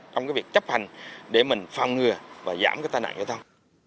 không có cái việc chấp hành để mình phong ngừa và giảm cái tai nạn giao thông